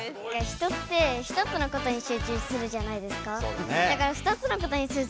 人って１つのことに集中するじゃないですか。